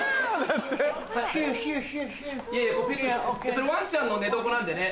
それワンちゃんの寝床なんでね。